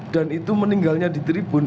dan itu meninggalnya di tripun